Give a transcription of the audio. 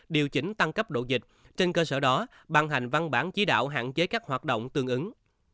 điều chỉnh tăng cấp độ dịch trên cơ sở đó ban hành văn bản chỉ đạo hạn chế các hoạt động tương ứng